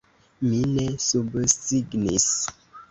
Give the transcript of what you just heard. Mi ne subsignis!